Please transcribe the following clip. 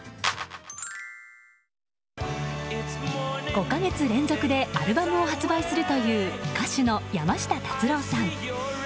５か月連続でアルバムを発売するという歌手の山下達郎さん。